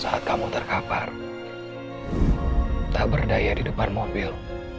saat kamu terkapar tak berdaya di depan mobil